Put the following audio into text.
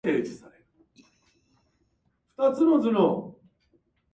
派手な表紙の雑誌